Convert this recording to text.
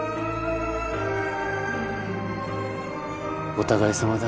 お互いさまだ。